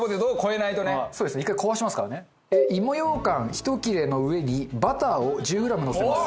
１切れの上にバターを１０グラムのせます。